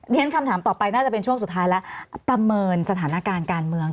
เรียนคำถามต่อไปน่าจะเป็นช่วงสุดท้ายแล้วประเมินสถานการณ์การเมือง